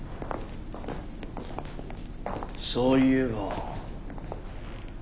そういえば。